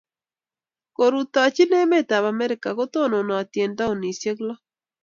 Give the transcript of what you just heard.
Korutochi emet ap Amerika, kotononati eng' taonisyek lo.